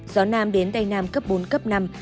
gió nam đến tây nam cấp bốn cấp năm